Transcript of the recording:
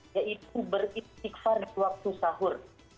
yaitu beristighfar di waktu sahur